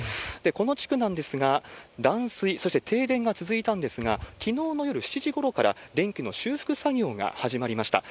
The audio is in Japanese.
この地区なんですが、断水、そして停電が続いたんですが、きのうの夜７時ごろから、電気の修復作業が始まりました。